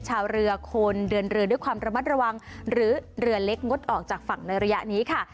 ชาวเรือควรเดินเรือด้วยความระมัดระวังหรือเรือเล็กงดออกจากฝั่งในระยะนี้ค่ะ